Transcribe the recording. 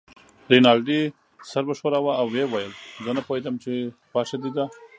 رینالډي سر و ښوراوه او ویې ویل: زه نه پوهېدم چې خوښه دې ده.